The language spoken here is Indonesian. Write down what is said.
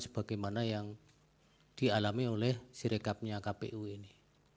sebagaimana yang dialami oleh sirekapnya kpu ini